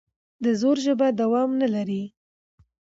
د زور ژبه دوام نه لري